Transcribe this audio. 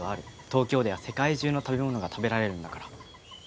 東京では世界中の食べ物が食べられるんだから。